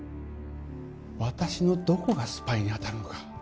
私のどこがスパイに当たるのか。